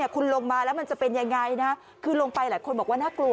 คุณลงมาแล้วมันจะเป็นยังไงนะคือลงไปหลายคนบอกว่าน่ากลัว